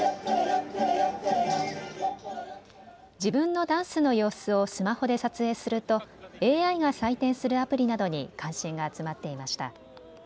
自分のダンスの様子をスマホで撮影するとＡＩが採点するアプリなどに関心が集まっていました。